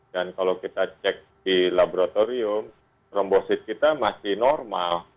dan kalau kita cek di laboratorium rombosit kita masih normal